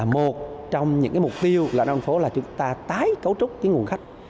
một trong những mục tiêu đà nẵng là chúng ta tái cấu trúc nguồn khách